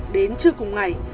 đến trưa cùng ngày